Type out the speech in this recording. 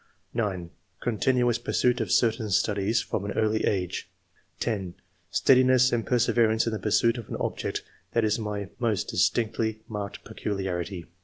9. " Continuous pursuit of certain studies from an early age." 10. " Steadiness and perseverance in the pursuit of an object is my most distinctly marked peculiarity."